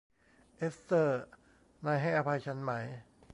เอสเตอร์ นายให้อภัยฉันไหม